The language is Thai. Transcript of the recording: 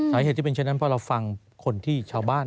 ที่เป็นเช่นนั้นเพราะเราฟังคนที่ชาวบ้าน